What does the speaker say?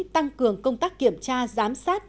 tăng cường công tác kiểm tra giám sát